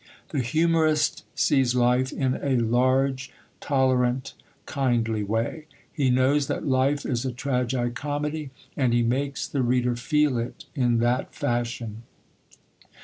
The humorist sees life in a large, tolerant, kindly way; he knows that life is a tragi comedy, and he makes the reader feel it in that fashion.